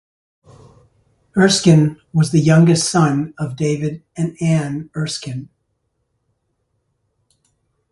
Erskine was the youngest son of David and Ann Erskine.